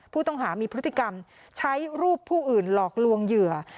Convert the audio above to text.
ผู้ต้องหามีพฤติกรรมใช้รูปผู้อื่นหลอกลวงเหยื่อ